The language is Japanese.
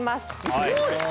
すごい！